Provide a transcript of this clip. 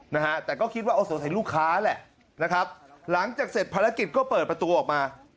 นะฮะแต่ก็คิดว่าโอ้สงสัยลูกค้าแหละนะครับหลังจากเสร็จภารกิจก็เปิดประตูออกมา